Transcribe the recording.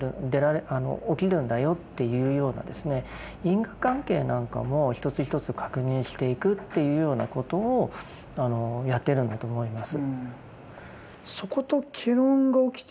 因果関係なんかも一つ一つ確認していくっていうようなことをやっているんだと思います。